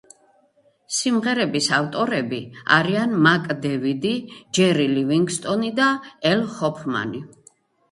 სიმღერების ავტორები არიან მაკ დევიდი, ჯერი ლივინგსტონი და ელ ჰოფმანი.